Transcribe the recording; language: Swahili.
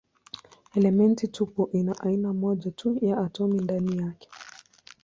Elementi tupu ina aina moja tu ya atomi ndani yake.